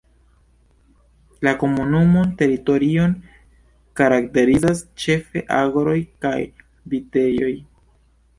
La komunumon teritorion karakterizas ĉefe agroj kaj vitejoj.